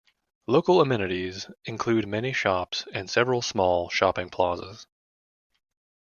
Local amenities include many shops and several small shopping plazas.